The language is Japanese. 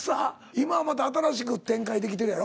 今はまた新しく展開できてるやろ？